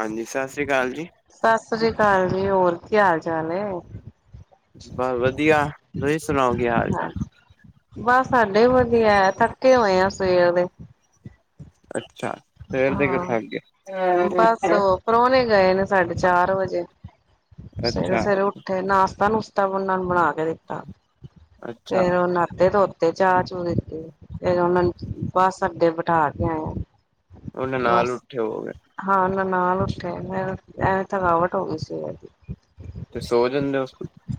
ਹਾਂਜੀ, ਸਤਿ ਸ਼੍ਰੀ ਅਕਾਲ ਜੀ। ਸਤਿ ਸ੍ਰੀ ਅਕਾਲ ਜੀ, ਹੋਰ ਕੀ ਹਾਲ-ਚਾਲ ਏ? ਬਸ ਵਧੀਆ ਤੁਸੀਂ ਸੁਣਾਓ, ਕੀ ਹਾਲ-ਚਾਲ? ਹਾਂ ਬਸ, ਸਾਡੇ ਵਧੀਆ ਥੱਕੇ ਹੋਏ ਆ ਸਵੇਰ ਦੇ ਅੱਛਾ, ਫੇਰ ਦੇਖ ਕੇ ਹਾਂ ਥੱਕ ਗਏ। ਬਸ, ਉਹ ਪ੍ਰੋਣੇ ਗਏ ਨੇ ਸਾਡੇ ਚਾਰ ਵਜੇ। ਸਵੇਰੇ ਅੱਛਾ ਸਵੇਰੇ ਉੱਠੇ ਨਾਸ਼ਤਾ ਨੁਸਤਾ ਉਹਨਾਂ ਨੂੰ ਬਣਾ ਕੇ ਦਿੱਤਾ, ਅੱਛਾ ਫੇਰ ਉਹ ਨਾਤੇ ਧੋਤੇ ਚਾਹ ਦਿੱਤੇ ਫਿਰ ਉਹਨਾਂ ਨੂੰ ਬਸ ਅਡੇ ਬਿਠਾ ਕੇ ਆਏ ਆ। ਉਹੇ ਨਾਲ ਉੱਠੇ ਹੋਵੋਗੇ ਹਾਂ ਨਾਲ ਨਾਲ ਉੱਠੇ, ਐਵੇਂ ਥਕਾਵਟ ਹੋ ਗਈ ਸੀ ਇਹਦੀ ਤੇ ਸੋ ਜਾਂਦੇ ਉਸ,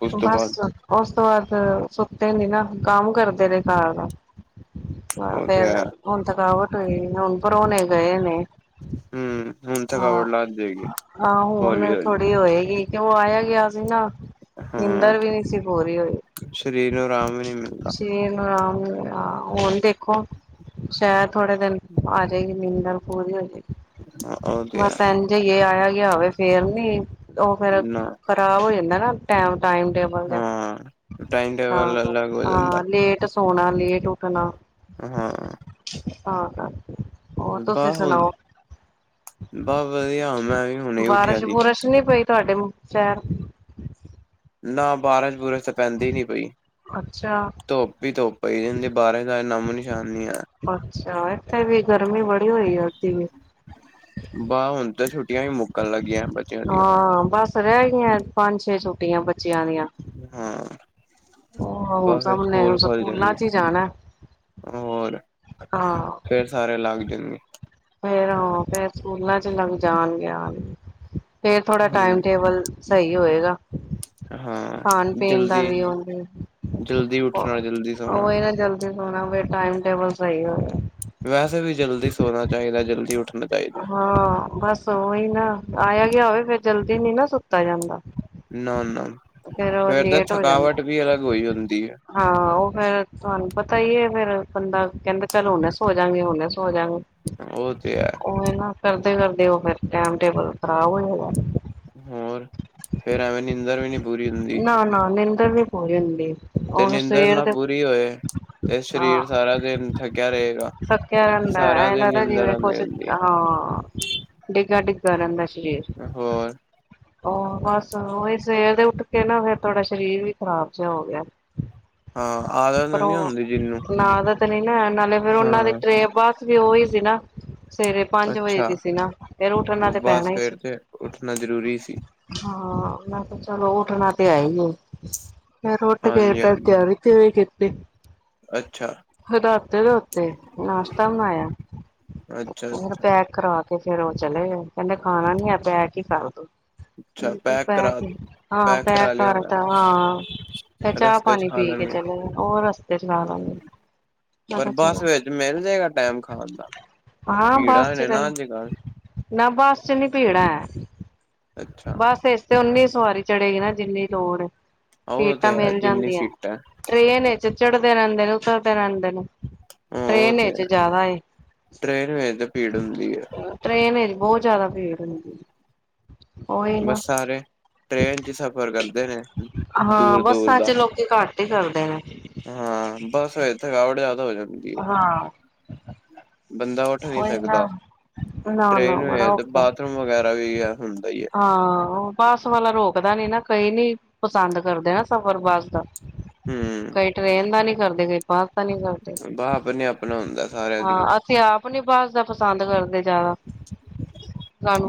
ਉਸ ਤੋਂ ਬਾਅਦ ਉਸ ਤੋਂ ਬਾਅਦ ਸੁੱਤੇ ਨੇ ਨਾ ਕੰਮ ਕਰਦੇ ਰਹੇ ਘਰ ਦਾ ਆ ਉਹ ਤੇ ਫੇਰ ਹੈ ਹੁਣ ਥਕਾਵਟ ਹੋਈ, ਹੁਣ ਪਰੋਣੇ ਗਏ ਨੇ, ਹਮ ਹੁਣ ਹਾਂ ਥਕਾਵਟ ਲੱਗ ਜਾਏਗੀ ਹਾਂ ਹੌਲੀ ਹੁਣ ਹੌਲੀ ਥੋੜ੍ਹੀ ਹੋਏਗੀ ਤੇ ਉਹ ਆਇਆ ਗਿਆ ਸੀ ਨਾ ਹਾਂ ਨਿੰਦਰ ਵੀ ਨਹੀਂ ਸੀ ਪੂਰੀ ਹੋਈ ਸਰੀਰ ਨੂੰ ਆਰਾਮ ਹੀ ਨਹੀਂ ਮਿਲਦਾ ਸ਼ਰੀਰ, ਹ ਹੋਣ ਦੇਖੋ ਸ਼ਹਿਦ ਥੋੜੇ ਦਿਨ ਆਜੇਗੀ ਨਿੰਦਰ ਪੂਰੀ ਹੋਜੇਗੀ, ਉਹ ਤੇ ਹੈ ਬਸ ਜੇ ਆਇਆ ਗਿਆ ਹੋਵੇ ਫੇਰ ਨੀ, ਉਹ ਫੇਿਰ ਨਾ ਖ਼ਰਾਬ ਹੋ ਜਾਂਦਾ ਨਾ ਟਾਈਮ ਟੇਬਲ, ਹਾਂ ਟਾਈਮ ਹਾਂ ਟੇਬਲ ਅਲੱਗ ਹੋ ਜਾਂਦਾ ਹਾਂ ਲੇਟ ਸੋਣਾ, ਲੇਟ ਉੱਠਣਾ ਹਾਂ ਤਾ ਕਰਕੇ ਹੋਰ ਤੁਸੀ ਬਸ ਹੁਣ ਸੁਣਾਓ ਬਸ ਵਧੀਆ, ਮੈਂ ਵੀ ਹੁਣੇ ਉੱਠਿਆ ਬਾਰਿਸ਼ ਸੀ ਬੁਰਸ਼ ਨੀ ਪਈ ਤੁਹਾਡੇ ਮੁ ਨਾ ਬਾਰਸ਼ ਬੁੁਰਸ਼ ਤਾਂ ਪੈਂਦੀ ਨੀ ਪਈ ਅੱਛਾ ਧੋਪ ਹੀ ਧੋਪ ਪਈ ਜਾਦੀ, ਬਾਰਿਸ਼ ਦਾ ਨਮ ਨਿਸ਼ਾਨੀ ਨੀ ਐ ਅੱਛਾ, ਇੱਥੇ ਵੀ ਗਰਮੀ ਬੜੀ ਹੋਈ ਅਜ ਵੀ ਬਾਹ ਹੁਣ ਤਾਂ ਛੁੱਟੀਆਂ ਵੀ ਮੁੱਕਣ ਲੱਗੀਆਂ ਬੱਚਿਆਂ ਦੀਆਂ ਹਾਂ, ਬੱਸ ਰੈਗੀਐਂ ਪੰਜ-ਛੇ ਛੁੱਟੀਆਂ ਬੱਚਯਾਂ ਦੀਆਂ। ਹਾਂ, ਉਹ ਹੁਣ ਬੱਸ ਫੇਰ ਸਭ ਨੇ ਸਕੂਲ ਖੋਲ ਸਕੂਲਾਂ ਜਾਨਗੇ। ਚ ਹੀ ਜਾਣਾ ਹੋਰ। ਹਾਂ। ਫੇਰ, ਸਾਰੇ ਲੱਗ ਜਾਨਗੇ। ਫੇਰ, ਹਾਂ, ਫੇਰ ਸਕੂਲਾਂ ਚ ਲੱਗ ਜਾਨ ਗਿਆਂ, ਫੇਰ ਥੋੜਾ ਟਾਈਮ ਹੂੰ ਟੇਬਲ ਸਈ ਹੋਏਗਾ। ਹਾਂ ਖਾਣ ਪੀਣ ਦਾ ਜਲਦੀ ਵੀ ਉਹ, ਜਲਦੀ ਉੱਠਣਾ ਜਲਦੀ ਸੋਣਾ ਉਹ ਨਾ ਜਲਦੀ ਸੋਣਾ ਫੇਰ ਟਮ ਟਬਲ ਸਹੀ ਵੈਸੇ ਵੀ ਜਲਦੀ ਸੋਨਾ ਚਾਹੀਦਾ ਜਲਦੀ ਉਠਣਾ ਹਾਂ ਬਸ ਓਹੀ ਨਾ, ਆਇਆ ਗਿਆ ਹੋਵੇ ਫਿਰ ਜਲਦੀ ਨੀ ਨਾ ਸੁੱਤਾ ਜਾਂਦਾ ਨਾ ਨਾ, ਉਹ ਫੇਰ ਤਾਂ ਲੇਟ ਹੋ ਜਾਂਦਾ ਥਕਾਵਟ ਵੀ ਅਲੱਗ ਹੋਈ ਹੁੰਦੀ ਹੈ ਹਾਂ ਉਹ ਫਿਰ ਤੁਹਾਨੂੰ ਪਤਾ ਹੀ ਹ ਮੇਰਾ ਬੰਦਾ, ਕਹਿੰਦਾ ਚਲੋ ਹੁਣੇ ਸੋ ਜਾਂਨੇ ਆ ਹੁਣ ਹੋ ਸੋ ਜਾਨੇ ਆ ਉਹ ਤੇ ਹੈ ਉਹ ਨਾ, ਕਰਦੇ ਕਰਿਰਦੇ ਉਹ ਫਿਰ ਟੈਮ ਟੇਬਲ ਖ਼ਰਾਬ ਹੋ ਜਾਦਾ ਹੋਰ ਫੇਰ ਐਵੇਂ ਨੀਦਰ ਵੀ ਨੀ ਪੂਰੀ ਹੁੰਦੀ ਨਾ ਨਾ ਨੀਂਦਰ ਨੀ ਪੂਰੀ ਹੁੰਦੀ ਤੇ ਉਹ ਫਿਰ ਨਿੰਦਰ ਸਵੇਰ ਨਾ ਦੇ ਪੂਰੀ ਹੋਏ ਤੇ ਹਾਂ ਸਰੀਰ ਸਾਰਾ ਦਿਨ ਥੱਕਿਆ ਰਹੇਗਾ ਥੱਕਿਆ ਰਹਿੰਦਾ, ਸਾਰਾ ਐ ਦਿਨ ਲਗਦਾ ਨਿੰਦਰ ਜਿਵੇਂ ਆਂਦੀ ਕੋਛ ਰਹਿੰਦੀ -ਹਾਂ, ਡਿੱਗਿਆ ਡਿੱਗਿਆ ਰਹਿੰਦਾ ਸ਼ਰੀਰ ਹੋਰ ਉਹ ਬਸ ਉਹਹੀ ਸਵੇਰ ਦੇ ਉੱਠ ਕੇ ਨਾ ਫੇਰ ਥੋੜਾ ਸ਼ਰੀਰ ਵੀ ਖਰਾਬ ਜੇਆ ਹੋਗਯੈ। ਹਾਂ [unintelligible] ਪਰ ਆਦਤ ਨੀ ੳਹ ਹੁੰਦੀ ਜਿਹਨੂੰ ਨਾ ਤੇ ਆਦਤ ਨੀ ਹੈ ਨਾਲੇ ਫੇਰ ਓਨਾਂ ਦੀ ਹਾਂ ਟਰੇ, ਬਸ ਵੀ ਓਈ ਸੀ ਨਾ। ਸਵੇਰੇ ਪੰਜ ਵਜੇ ਅੱਛਾ ਦੀ ਸੀ ਨਾ, ਫੇਰ ਉਠਣਾ ਤੇ ਪੈਨਾ ਬਸ ਈ ਸੀ। ਫੇਰ ਤੇ ਉੱਠਣਾ ਜ਼ਰੂਰੀ ਸੀ ਹਾਂ, ਮੈਂ ਕਿਆ ਚਲੋ ਉੱਠਨਾ ਤੇ ਹੈਈ ਏ। ਫੇਰ ਉਠ ਕੇ ਹਾਂਜੀ ਹਾਂਜੀ ਤੇਯਾਰੀ, ਤਿਯੂਰੀ ਕੀਤੀ। ਅੱਛਾ। ਫੇਰ ਨਾੱਤੇ, ਨੁੱਤੇ, ਨਾਸ਼ਤਾ ਬਨਾਯੈ। ਅੱਛਾ। ਫੇਰ ਅੱਛਾ ਪੈਕ ਕਰਾਕੇ, ਫੇਰ ਓ ਚਲੇਗੇ, ਕੈਂਦੇ ਖਾਨਾ ਨੀ ਐ ਪੈਕ ਈ ਕੱਰ ਦੋ। ਅੱਛਾ ਕਰਾ ਪੈਕ ਈ, ਹਾਂ, ਪੈਕ ਕਰਾ ਲਿਆਉਣਾ ਕਾਰਤਾ, ਹਾਂ। ਫੇਰ ਚਾ, ਰਸਤੇ ਚ ਪਾਨੀ ਖਾ ਪੀ ਕੇ ਲੈਣੀ ਆ ਚਲੇਗੇ, ਓ ਰਸਤੇ ਚ ਖਾਲੈਨਗੇ। ਪਰ ਬੱਸ ਵਿੱਚ ਮੇਲ ਜੇਗਾ ਟੈਮ ਖਾਨ ਦਾ, ਹਾਂ ਭੀੜਾ ਬੱਸ ਨੇ ਚ ਨਾ ਅੱਜ-ਕੱਲ। ਨਾ ਬੱਸ ਚ ਨੀ ਭੀੜਾ ਐ, ਅੱਛਾ ਬੱਸ ਏੱਚ ਤੇ ਓਨੀ ਸਵਾਰੀ ਚੜੇਗੀ ਨਾ ਜਿੰਨੀ ਲੋੜ ਉਹ ਸੀਟਾਂ ਤੇ ਹੈ ਮੇਲ ਜਿੰਨੀ ਜਾਂਦੀਐਂ। ਸੀਟਾਂ ਟ੍ਰੇਨ ਏੱਚ ਚੜ੍ਹਦੇ ਰੈਂਦੇ ਨੇ, ਉਤਰਦੇ ਰੈਂਦੇ ਨੇ। ਹਾਂ ਉਹ ਟਰੇਨ ਤੇ ਏੱਚ ਹੈ ਜਾਣਾ ਏ। ਟ੍ਰੇਨ ਵਿੱਚ ਤੇ ਭੀੜ ਹੁੰਦੀ ਹੈ ਟਰੇਨ ਏੱਚ ਬੋਤ ਜਾਦਾ ਭੀੜ ਹੁੰਦੀ। ਉਹੀ ਨਾ ਬਾੱਸ ਸਾਰੇ ਟ੍ਰੇਨ ਚ ਸਫ਼ਰ ਕਰਦੇ ਨੇ, ਦੂਰ-ਦੂਰ ਦਾ ਤੇ ਘੱਟ ਈ ਕਰਦੇ ਨੇ। ਹਾਂ, ਬਾੱਸ [unintelligible] ਥਕਾਵਟ ਜਾਦਾ ਹੋ ਜਾਂਦੀ ਏ। ਹਾਂ। ਬੰਦਾ ਓੱਠ ਨੀ ਉਹੀ ਨਾ ਸਕਦਾ, ਨਾ ਨਾ ਟ੍ਰੇਨ ਬੜਾ ਵੇੱਚ ਤੇ ਔਖਾ ਬਾਥਰੂਮ ਵਗੈਰਾ ਵੀ ਹੁੰਦਾ ਈ ਏ। ਹਾਂ, ਬਾੱਸ ਵਾਲਾ ਰੋਕਦਾ ਨੀ ਨਾ, ਕਈ ਨੀ ਪਸੰਦ ਕਰਦੇ ਨਾ, ਸਫ਼ਰ ਬਾੱਸ ਦਾ। ਹਮ ਕਈ ਟਰੇਨ ਦਾ ਨੀ ਕਰਦੇ ਕਈ [unintelligible] ਕਰਦੇ, ਬ ਆਪਣੇ ਆਪਣਾ ਹੁੰਦਾ ਸਾਰਿਆਂ ਦੀ ਹਾਂ। ਤੇ ਆਪ ਨੀ ਬਾੱਸ ਦਾ ਪਸੰਦ ਕਰਦੇ ਜਾਦਾ।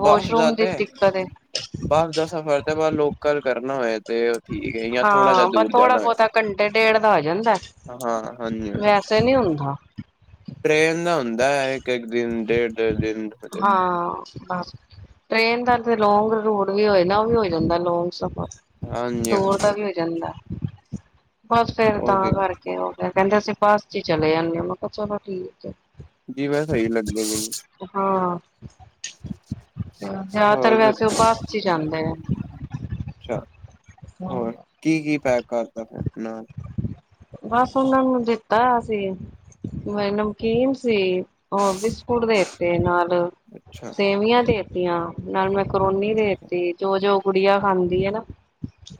ਬਾੱਸ ਦਾ ਦੀ ਤੇ ਦਿੱਕਤ ਏ ਬਾੱਸ ਦਾ ਸਫ਼ਰ ਤੇ ਬਸ ਲੋਕਲ ਕਰਨਾ ਹੋਏ ਤੇ ਠੀਕ ਹੈ ਥੋੜਾ ਜਾ ਹਾਂ ਬਸ ਦੂਰ ਥੋੜਾ ਜਾਣਾ ਬਹੁਤਾ ਘੰਟੇ ਡੇਢ ਦਾ ਹੋ ਜਾਂਦਾ ਹੋਆ। ਹਾਂ ਹਾਂਜੀ- ਹਾਂਜੀ। ਵੈਸੇ ਨੀ ਹੁੰਦਾ ਟ੍ਰੇਨ ਦਾ ਹੁੰਦਾ ਇੱਕ- ਇੱਕ ਦਿਨ ਡੇਢ ਡੇਢ ਦਿਨ। ਹਾਂ ਬਸ ਟ੍ਰੇਨ ਦਾ ਲੋਂਂਗ ਰੂਟ ਵੀ ਹੋਏ ਉਹ ਵੀ ਹੋ ਜਾਂਦਾ ਲੋਂਂਗ ਸਫ਼ਰ। ਹਾਂਜੀ ਦੂਰ ਦਾ ਵੀ ਹਾਂਜੀ ਹੋ ਜਾਂਦਾ ਬਸ ਫੇਰ ਉਹ ਤਾਂ ਤੇ ਹੈ। ਕਰਕੇ। ਉਹ ਕੈਂਦੇ ਅਸੀਂ ਬਸ ਚ ਚਲੇ ਜਾਂਦੇ ਹਾ ਮੈਂ ਕਿਹਾ ਚਲੋ ਠੀਕ ਹੈ। ਡੀਵਾ ਸਹੀ ਲੱਗਦੀ ਹ ਸਹੀ ਲੱਗਿਆ ਮੈਨੂੰ। ਹਾਂ, ਜਾਦਾਤਰ ਹੋਰ ਵੈਸੇ ਓ ਦੱਸੋ? ਬੱਸ ਚ ਈ ਜਾਂਦੇ ਨੇ। ਅੱਛਾ, ਹੋਰ ਕੀ, ਕੀ ਪੈਕ ਕਾਰਤਾ ਫੇਰ ਨਾਲ ਬਾੱਸ ਓਨਾਂ ਨੂੰ ਦਿੱਤਾ ਸੀ, ਮੈਂ ਨਮਕੀਨ ਸੀ। ਹੋਰ ਬਿਸਕੁਟ ਦੇਤੇ, ਨਾਲ ਅੱਛਾ ਸੇਵੀਆਂ ਦੇਤੀ ਯਾ ਨਾਲ ਮੈਕਰੋਨੀ ਦੇਤੀ, ਜੋ, ਜੋ ਗੁੜੀਆ ਖਾਂਦੀ ਏ ਨਾ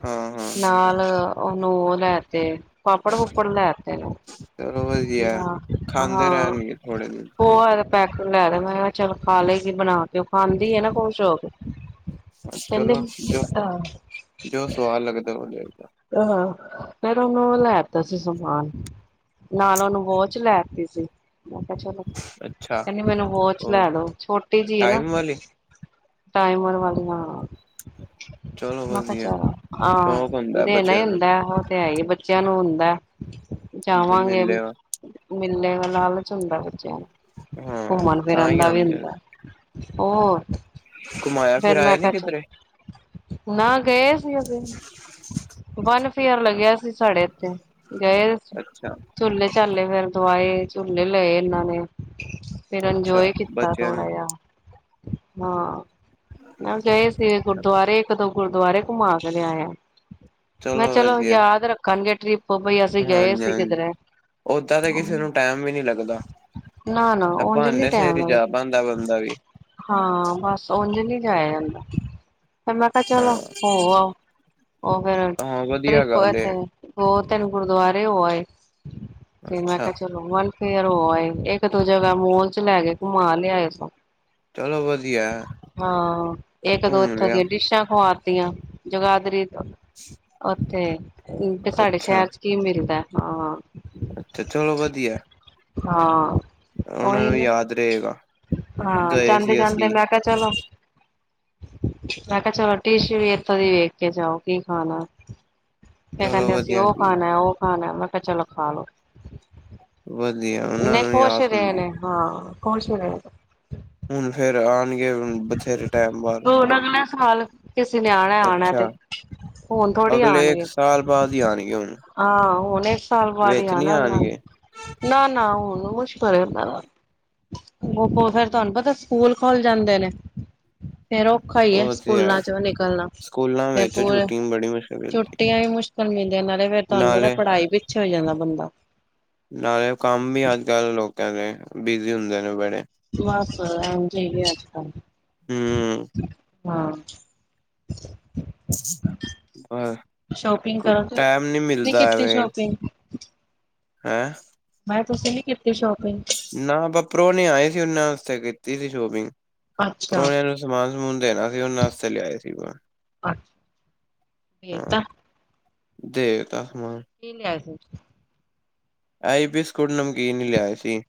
ਹਾਂ ਹਾਂ ਨਾਲ ਓਨੂੰ ਲੈਤੇ ਪਾਪੜ, ਪੁੱਪੜ ਲੈਤੇ ਨੇ। ਚਲੋ ਵਧੀਆ ਖਾਂਦੇ ਹਾਂ, ਰਹਿਣਗੇ ਥੋੜੇ ਦਿਨ ਹੋਰ ਪੈਕ ਲੈਤੇ, ਮੈਂ ਕੇਆ ਚਲੋ ਖਾਲੇਗੀ ਬਨਾਕੇ। ਖਾਂਦੀ ਏ ਨਾ ਖੋਸ਼ ਹੋਕੇ, ਕੈਂਦੇ ਚਲੋ ਜੋ ਅ ਜੋ ਸਵਾਦ ਲੱਗਦਾ, ਓ ਲਯਾਈ ਦਾ। ਆਹ, ਫੇਰ ਓਨੂੰ ਓ ਲੈਤਾ ਸੀ ਸਮਾਨ ਨਾਲ ਓਨੂੰ ਵੋਚ ਲੈਤੀ ਸੀ। ਮੈਂ ਕੇਆ ਚਲੋ ਅੱਛਾ ਕੈਂਦੀ ਮੈਨੂੰ ਵੋਚ ਉਹ ਲੈਦੋ, ਛੋਟੀ ਜੀ ਏ ਨਾ ਟਾਈਮ ਵਾਲੀ ਟਾਈਮਰ ਵਾਲੀਆਂ, ਚਲੋ ਮੈਂ ਕਾ ਵਧੀਆ ਚਲੋ ਸ਼ੌਕ ਹੁੰਦਾ ਬੱਚਿਆਂ ਨੂੰ ਉਹ ਤੇ ਹੈ ਹੀ ਬੱਚਿਆਂ ਨੂੰ ਹੁੰਦਾ ਜਾਵਾਂਗੇ। ਮਿਲਿਆ ਮੇਲੇ ਦਾ ਲਾਲਚ ਹੁੰਦਾ ਬੱਚਿਆਂ ਨੂੰ ਹਾਂ ਘੁੰਮਣ ਤਾਂ ਫਿਰਨ ਹੀ ਦਾ ਵੀ ਆਉਂਦੇ ਨੇ ਹੁੰਦਾ। ਹੋਰ ਘੁਮਾਇਆ ਫਿਰ ਆਇਆ ਮੈਂ ਨੀ ਕਿਹਾ ਕਿਧਰੇ ਚਲੋ। ਨਾ ਗਏ ਅਸੀਂ। ਫਨ ਫੇਅਰ ਲੱਗਿਆ ਸੀ ਸਾਡੇ ਤੇ ਗਏ। ਅੱਛਾ ਝੂਲੇੇ-ਝਾਲੇ ਫੇਰ ਦਵਾਏ ਝੂਲੇ ਲਏ ਇਹਨਾਂ ਨੇ। ਫਿਰ ਅੱਛਾ ਇੰਜੁਆਏ ਕੀਤਾ ਬੱਚਿਆਂ ਨੇ ਥੋੜ੍ਹਾ ਜਿਹਾ। ਹਾਂ, ਗਏ ਸੀ ਗੁਰਦੁਆਰੇ ਇੱਕ-ਦੋ ਗੁਰਦੁਆਰੇ ਘੁਮਾ ਕੇ ਲਿਆਏ ਆ। ਮੈਂ ਕਿਹਾ ਚਲੋ ਯਾਦ ਰੱਖਣਗੇ ਟ੍ਰਿਪ। ਉਹ ਬਾਈ ਅਸੀਂ ਗਏ ਹਾਂਜੀ ਸੀ ਹਾਂਜੀ ਕਿਧਰੇ। ਓਦਾਂ ਤਾਂ ਕਿਸੇ ਨੂੰ ਟਾਈਮ ਵੀ ਨੀ ਲੱਗਦਾ ਨਾ-ਨਾ ਉਝ ਨੀ ਬਹਾਨੇ ਸਿਰ ਟੈਮ ਹੀ ਜਾ ਪਾਉਂਦਾ ਲੱਗਦਾ। ਬੰਦਾ ਵੀ ਹਾਂ ਬਸ ਉਝ ਨੀ ਜਾਇਆ ਜਾਂਦਾ। ਫਿਰ ਮੈਂ ਕਿਹਾ ਹਾਂ ਚਲੋ ਹੋ ਆਓ। ਉਹ ਫਿਰ, ਹਾਂ ਵਧੀਆ ਟਰਿਪ ਗੱਲ ਏ ਇੱਥੇ ਦੋ-ਤਿੰਨ ਗੁਰਦੁਆਰੇ ਹੋ ਆਏ, ਤੇ ਮੈਂ ਅੱਛਾ ਕਿਹਾ ਚਲੋ ਫੇਰ ਹੋ ਆਏ ਇੱਕ-ਦੋ ਜਗ੍ਹਾ ਮੋਲ ਚ ਲੈ ਕੇ ਘੁਮਾ ਲਿਆਏ। ਚਲੋ ਵਧੀਆ ਹਾਂ ਇੱਕ-ਦੋ ਘੁੰਮ ਇੱਥੋਂ ਲਿਆ ਦੀਆਂ ਡਿਸ਼ਾਂ ਖਵਾ ਤੀਆਂ। ਜਗਾਦਰੀ ਤੇ [unintelligible] ਉਥੇ, ਸਾਡੇ ਅੱਛਾ ਸ਼ਹਿਰ ਚ ਕੀ ਮਿਲਦਾ ਹਾਂ। ਅੱਛਾ ਚਲੋ ਵਧੀਆ। ਹਾਂ ਉਹਨਾਂ ਉਹੀ ਨੂੰ ਨਾ, ਯਾਦ ਰਹੇਗਾ ਹਾਂ ਗਏ ਸੀ ਜਾਂਦੇ-ਜਾਂਦੇ ਅਸੀਂ ਮੈਂ ਕਿਹਾ ਚਲੋ। ਮੈਂ ਕਿਹਾ ਚਲੋ ਡਿਸ਼ ਵੀ ਇੱਥੋਂ ਦੀ ਵੇਖ ਕੇ ਜਾਓ ਕੀ ਖਾਣਾ। ਇਹ ਚਲੋ ਕਹਿੰਦੇ ਅਸੀਂ ਵਧੀਆ ਉਹ ਜੀ ਖਾਣਾ ਉਹ ਖਾਣਾ ਮੈਂ ਕਿਹਾ ਚਲੋ ਖਾ ਲੋ। ਵਧੀਆ। ਉਹਨਾਂ ਨਹੀਂ ਨੂੰ ਖੁਸ਼ ਹੀ ਆਸ ਰਹੇ ਹੁੰਦੀ ਨੇ ਹਾਂ ਖੁਸ਼ ਹੀ ਰਹੇ ਨੇ। ਹੁਣ ਫੇਰ ਆਣਗੇ ਹੁਣ ਬਥੇਰੇ ਟੈਮ ਬਾਅਦ, ਹੁਣ ਅਗਲੇ ਸਾਲ ਕਿਸੇ ਨੇ ਆਣਾ ਆਣਾ ਅੱਛਾ। ਤੇ ਹੁਣ ਥੋੜ੍ਹੀ ਅਗਲੇ ਇੱਕ ਆਣਗੇ ਸਾਲ ਬਾਅਦ ਹੀ ਆਣਗੇ ਹੁਣ। ਹਾਂ ਹੁਣ ਇੱਕ ਸਾਲ ਬਾਅਦ ਹੀ ਵਿੱਚ ਨਹੀਂ ਆਨਾ ਉਹਨਾਂ ਨੇ, ਆਉਣਗੇ ਨਾ-ਨਾ ਹੁਣ ਮੁਸ਼ਕਲ ਉਹਨਾਂ ਦਾ। ਉਹ ਫੇਰ ਤੁਹਾਨੂੰ ਪਤਾ ਸਕੂਲ ਖੁੱਲ ਜਾਂਦੇ ਨੇ, ਫੇਰ ਉਹ ਔਖਾ ਹੀ ਹੈ ਉਹ ਤੇ ਸਕੂਲਾਂ ਚੋਂ ਨਿਕਲਣਾ, ਸਕੂਲਾਂ ਫਿਰ ਵਿੱਚ ਪੂਰੇ, ਛੁੱਟੀ ਬੜੀ ਮੁਸ਼ਕਿਲ ਮਿਲਦੀ ਛੁੱਟੀਆਂ ਈ ਮੁਸ਼ਕਲ ਕਮੀਂ ਦੇ ਨਾਲੇ ਫੇਰ ਤੁਹਾਨੂੰ ਪਤਾ ਨਾਲੇ ਪੜ੍ਹਾਈ ਵੀ ਪਿੱਛੇ ਹੋ ਜਾਂਦਾ ਬੰਦਾ। ਨਾਲੇ ਕੰਮ ਵੀ ਅੱਜਕੱਲ ਲੋਕਾਂ ਦੇ ਬਿਜ਼ੀ ਹੁੰਦੇ ਨੇ ਬੜੇ। ਬਸ ਇੰਝ ਈ ਏ ਅੱਜਕੱਲ ਹਮ ਹਾਂ। ਹਾਂ, ਸ਼ੋਪਿੰਗ ਕਰੋਗੇ ਟਾਈਮ ਨਹੀ ਨਹੀਂ ਮਿਲਦਾ ਕੀਤੀ ਐਵੇਂ। ਸ਼ੋਪਿੰਗ ਹੈਂ ਮੈਂ ਕਿਹਾ ਤੁਸੀਂ ਨੀ ਕੀਤੀ ਸ਼ੋਪਿੰਗ? ਨਾ ਆਪਾਂ ਪਰੋਣੇ ਨੇ ਆਏ ਸੀ ਉਹਨਾਂ ਵਾਸਤੇ ਕੀਤੀ ਸੀ ਸ਼ੋਪਿੰਗ। ਅੱਛਾ ਪਰੋਣੇ ਨੂੰ ਸਮਾਨ-ਸਮੂਨ ਦੇਣਾ ਸੀ ਉਹਨਾਂ ਆਸਤੇ ਲਿਆਏ ਸੀ। [unintelligible] ਦੇ ਤਾ ਦੇਤਾ ਹਾਂ। ਕੀ ਲਿਆਏ ਸੀ? ਆਈ ਬਿਸਕੁਟ ਨਮਕੀਨ ਹੀ ਲਿਆਏ ਸੀ,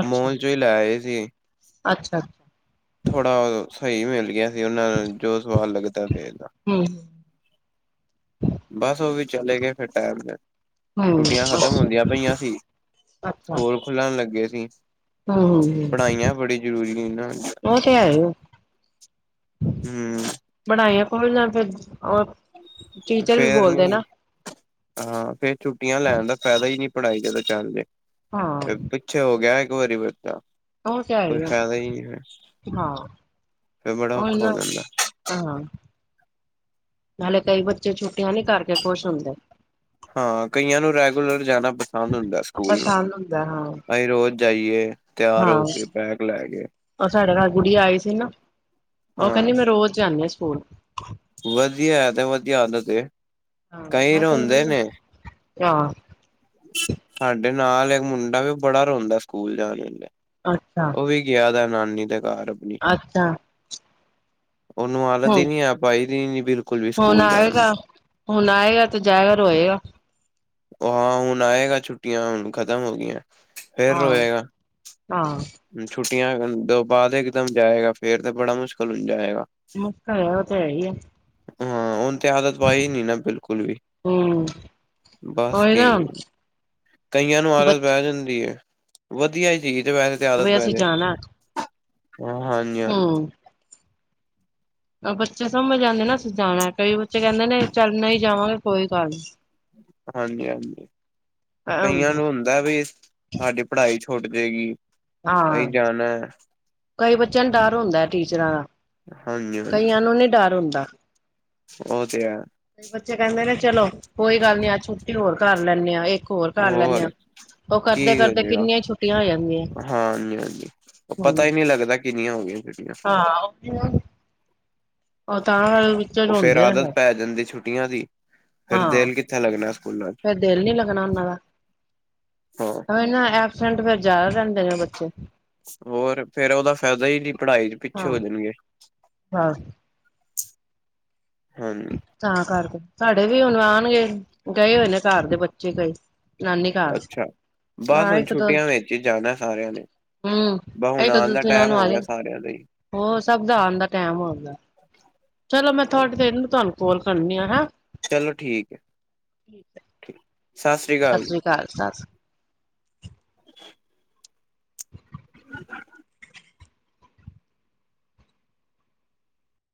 ਅੱਛਾ ਮੋਲ ਚੋਂ ਹੀ ਲਿਆਏ ਸੀ। ਅੱਛਾ ਥੋੜ੍ਹਾ ਸਹੀ ਮਿਲ ਗਿਆ ਸੀ ਉਹਨਾਂ ਨੂੰ ਜੋ ਸਵਾਦ ਲੱਗਦਾ ਪਿਆ ਇਦਾਂ। ਹੂੰ ਬਸ ਉਹ ਵੀ ਚਲੇ ਗਏ ਫਿਰ ਟੈਮ ਤੇ। ਹੂੰ ਛੁੱਟੀਆਂ ਖਤਮ ਅੱਛਾ ਹੁੰਦੀਆਂ ਪਈਆਂ ਸੀ, ਅੱਛਾ ਸਕੂਲ ਖੁੱਲਣ ਲੱਗੇ ਸੀ। ਹੂੰ ਪੜ੍ਹਾਈਆਂ ਬੜੀ ਜ਼ਰੂਰੀ ਨੇ। ਉਹ ਤੇ ਹੈ ਹੀ ਹੂੰ ਪੜਾਈਆਂ ਕੋਈ ਨਾ ਫਿਰ, ਉਹ ਫੇਰ ਨੀ, ਹਾਂ ਫੇਰ ਛੁੱਟੀਆਂ ਲੈਣ ਦਾ ਫਾਇਦਾ ਹੀ ਨੀ। ਪੜ੍ਹਾਈ ਜਦੋਂ ਚੱਲ ਪਏ। ਹਾਂ ਫਿਰ ਪਿੱਛੇ ਹੋ ਗਿਆ ਇੱਕ ਵਾਰੀ ਫਿਰ ਤਾਂ ਉਹ ਤੇ ਹੈ ਕੋਈ ਫਾਇਦਾ ਹੀ ਨਹੀਂ ਹਾਂ ਫਿਰ। ਬੜਾ ਔਖਾ ਹੋ ਜਾਂਦਾ। ਹਾਂ-ਹਾਂ, ਨਾਲੇ ਕਈ ਬੱਚੇ ਛੁੱਟੀਆਂ ਨੀ ਕਰਕੇ ਖੁਸ਼ ਹੁੰਦੇ। ਹਾਂ ਕਈਆਂ ਨੂੰ ਰੈਗੂਲਰ ਜਾਣਾ ਪਸ ਪਸੰਦ ਹੁੰਦਾ ਸਕੂਲ ਨਾ, ਪਸੰਦ ਹੁੰਦਾ ਹਾਂ ਤਾਂਹੀ ਰੋਜ਼ ਜਾਈ ਏ, ਤਿਆਰ ਹਾਂ ਹੋ ਕੇ ਬੈਗ ਲ ਕੇ। ਉਹ ਸਾਡੇ ਨਾਲ ਗੁੜੀਆ ਆਈ ਸੀ ਨਾ, ਉਹ ਕਹਿੰਦੀ, ਹਾਂ ਮੈਂ ਰੋਜ਼ ਜਾਂਨੀ ਆ ਸਕੂਲ। ਵਧੀਆ ਏ ਤੇ ਵਧੀਆ ਆਦਤ ਏ, ਤੇ ਹਾਂ ਕਈ ਮੈਂ ਰੋਂਦੇ ਨੇ। ਹਾਂ ਅ। ਸਾਡੇ ਨਾਲ ਇੱਕ ਮੁੰਡਾ ਵੇ, ਔ ਬੜਾ ਰੋਂਦਾ, ਸਕੂਲ ਜਾਣ ਵਲੇ। ਅੱਛਾ। ਵੀ ਗਿਆ ਦਾ, ਨਾਨੀ ਦੇ ਘਰ। ਆਪਣੀ ਅੱਛਾ। ਉਹਨੂੰ ਆਦਤ ਹੀ ਹੂੰ ਨਹੀ ਐ, ਆ ਪਾਈ ਦੀ ਬਿਲਕੁਲ ਵੀ ਹੁਣ ਸਕੂਲ ਜਾਣ ਦੀ। ਆਏਗਾ ਹੁਣ ਆਏਗਾ ਤੇ ਜਾਏਗਾ, ਰੋਏਗਾ। ਔ ਹਾਂ, ਹੁਣ ਆਏਗਾ, ਛੁੱਟੀਆਂ ਹੁਣ ਖਤਮ ਹੋ ਗਈਆਂ। ਫੇਰ ਹਾਂ। ਰੋਏਗਾ ਹਾਂ। ਛੁੱਟੀਆਂ ਤੋਂ ਬਾਅਦ ਇਕ ਦਮ ਜਾਏਗਾ, ਫੇਰ ਤਾਂ ਬੜਾ ਮੁਸ਼ਕਿਲ ਹੋ ਜਾਏਗਾ। ਮੁਸ਼ਕਲ ਹੈ, ਉਹ ਤੇ ਹੈ ਹੀ ਹੈ। ਹਾਂ ਔਨੂੰ ਤੇ ਆਦਤ ਪਾਈ ਨਹੀਂ ਨਾ ਬਿਲਕੁਲ ਵੀ। ਹੂੰ ਬਸ ਉਹੀ ਨਾ ਠੀਕ, ਕਈਆਂ ਨੂੰ ਆਦਤ ਬੱਚ ਪੈ ਜਾਂਦੀ ਹੈ। ਵਧੀਆ ਸੀਗੀ ਤੇ ਵੈਸ। ਬਈ ਅਸੀ ਜਾਣਾ ਅੱਜ ਹਾਂ ਹਾਂਜੀ ਹਾਂਜੀ। ਬੱਚੇ ਸਮਝ ਜਾਂਦੇ ਨਾ, ਅਸੀ ਜਾਣਾ, ਕਈ ਬੱਚੇ ਕਹਿੰਦੇ ਨੇ, ਚੱਲ ਨਹੀਂ ਜਾਵਾਂਗੇ ਕੋਈ ਗੱਲ ਨਹੀਂ। ਹਾਂਜੀ ਹਾਂਜੀ, ਕਈਆਂ ਨੂੰ ਹੁੰਦਾ। ਦਾ ਵੀ, ਸਾਡੀ ਪੜ੍ਹਾਈ ਛੁੱਟ ਜਾਏਗੀ, ਅਸੀ ਹਾਂ ਜਾਣਾ ਹੈ। ਕਈ ਬੱਚਿਆਂ ਨੂੰ ਡਰ ਹੁੰਦਾ ਹੈ, ਟੀਚਰਾਂ ਦਾ। ਹਾਂਜੀ ਹਾਂਜੀ ਕਈਆਂ ਨੂੰ ਨੀ ਡਰ ਹੁੰਦਾ। ਉਹ ਤੇ ਹੈ ਕਈ ਬੱਚੇ ਕਹਦੇ ਨੇ ਚਲੋ, ਕੋਈ ਗੱਲ ਨੀ, ਅੱਜ ਛੁੱਟੀ ਹੋਰ ਕਰ ਲੈਂਨੇ ਆ, ਇਕ ਹੋਰ ਕਰ ਲੈਨੇ ਆ, ਉ ਕੀ ਕਰਦੇ-ਕਰਦੇ ਹੋਜੇਗਾ ਕਿੰਨੀਆਂ ਈ ਛੁੱਟੀਆਂ ਹੋ ਜਾਂਦੀਆਂ ਹਾਂਜੀ ਹਾਂਜੀ ਹੂੰ ਪਤਾ ਈ ਨੀ ਲੱਗਦਾ, ਕਿੰਨੀਆਂ ਹੋ ਗਈਆਂ ਛੁਟਿਆ ਹਾਂ ਉ ਤਾਂ ਗੱਲ ਉ ਫੇਰ ਆਦਤ ਪੈ ਜਾਂਦੀ, ਛੁੱਟੀਆਂ ਦੀ ਫਿਰ ਹਾਂ ਦਿਲ ਕਿੱਥੇ ਲੱਗਣਾ ਸਕੂਲਾਂ ਚ ਫੇਰ ਦਿਲ ਨੀ ਲੱਗਣਾ ਉਹਨਾਂ ਦਾ। ਹਾਂ ਔ ਹੀ ਨਾ, ਐਬਸੈਂਟ ਫੇਰ ਜ਼ਿਆਦਾ ਰਿੰਦੇ ਨੇ ਬੱਚੇ। ਹੋਰ ਫੇਰ ਉਹਦਾ ਫਾਇਦਾ ਹੀ ਨਹੀਂ, ਪੜ੍ਹਾਈ 'ਚ ਪਿੱਛੇ ਹਾਂ ਹੋ ਜਾਣਗੇ। ਬਸ। ਹਾਂ ਜੀ। ਤਾਂ ਕਰਕੇ, ਸਾਡੇ ਵੀ ਹੁਣ ਆਉਣਗੇ, ਗਏ ਹੋਏ ਨੇ ਘਰ ਦੇ ਬੱਚੇ ਕਈ। ਨਾਨੀ ਘਰ ਬਾਅਦ ਹਾਂ ਹੁਣ ਇੱਕ ਦੋ ਛੁੱਟੀਆਂ ਵਿੱਚ ਈ ਜਾਣਾ ਸਾਰਿਆਂ ਨੇ। ਹੂੰ ਬਸ ਹੁਣ ਆਉਣ ਦਾ ਟਾਈਮ ਹੋ ਗਿਆ, ਸਾਰਿਆਂ ਲਈ। ਉਹ ਸਬ ਦਾ ਆਂਨ ਦਾ ਟਾਈਮ ਹੋ ਗਯਾ ਐ। ਚਲੋ ਮੈਂ ਹਾਂ ਥੋੜ੍ਹੀ ਦੇਰ ਨੂੰ ਤੁਹਾਨੂੰ ਕੋਲ ਕਰਨੀ ਆ ਹੈਂ। ਚਲੋ ਠੀਕ ਹੈ, ਸਤਿ ਸ੍ਰੀ ਅਕਾਲ ਜੀ। ਘਾਰ ਸਸ। ਹਾਂ। ਹ [unintelligible]